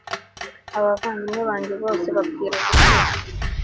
abavandimwe banjye bose bapfira gushira